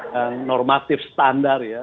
dan normatif standar ya